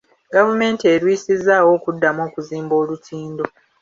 Gavumenti erwisizzaawo okuddamu okuzimba olutindo.